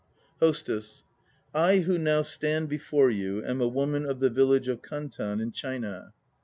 HOSTESS I who now stand before you am a woman of the village of Kantan in China.